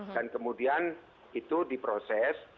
dan kemudian itu diproses